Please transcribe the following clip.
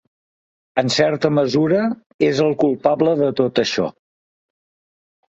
En certa mesura, és el culpable de tot això.